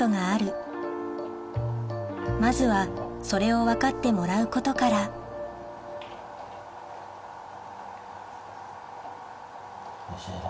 まずはそれを分かってもらうことからよし偉いな。